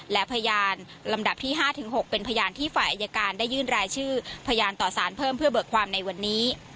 และพยานลำดับที่๕๖เป็นพยานที่ฝ่ายอายการได้ยื่นรายชื่อพยานต่อสารเพิ่มเพื่อเบิกความในวันนี้